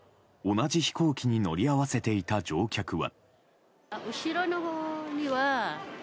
同じ飛行機に乗り合わせていた乗客は。